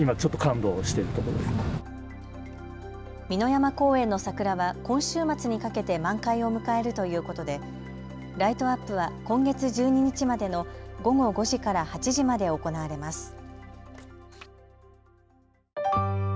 美の山公園の桜は今週末にかけて満開を迎えるということでライトアップは今月１２日までの午後５時から８時まで行われます。